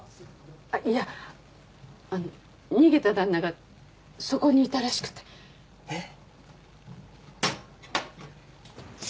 いや逃げた旦那がそこにいたらしくてえっ？